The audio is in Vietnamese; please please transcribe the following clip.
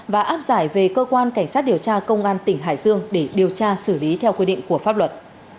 và áp giải về cơ quan cảnh sát điều tra công an tỉnh hải dương để điều tra xử lý theo quy định của pháp luật